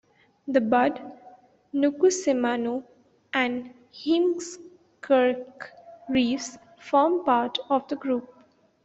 The Budd, Nukusemanu, and Heemskercq Reefs form part of the group.